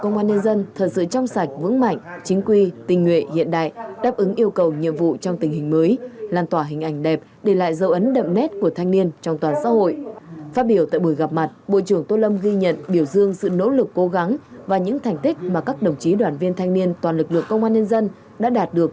công an nhân dân thật sự trong sạch vững mạnh chính quy tinh nguyện hiện đại đến công an trung ương và đề án xây dựng cơ quan điều tra của đảng ủy công an trung ương và đề án xây dựng cơ quan điều tra của đảng ủy công an trung ương